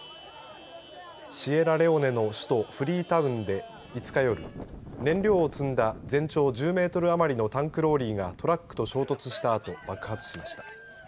シエラレオネの首都フリータウンで５日夜燃料を積んだ全長１０メートル余りのタンクローリーがトラックと衝突したあと爆発しました。